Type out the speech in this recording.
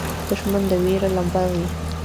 دښمن د وېرې لمبه وي